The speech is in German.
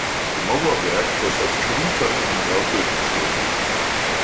Mauerwerk, das aus Klinkern und Mörtel besteht.